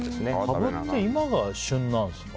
カブって今が旬なんですか？